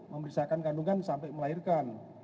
memberisakan kandungan sampai melahirkan